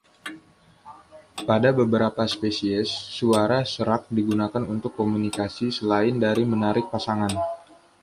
Pada beberapa spesies, suara serak digunakan untuk komunikasi selain dari menarik pasangan.